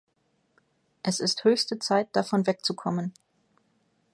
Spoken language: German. Es ist höchste Zeit, davon wegzukommen.